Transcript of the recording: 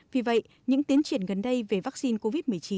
vì vậy những tiến triển gần đây về vaccine covid một mươi chín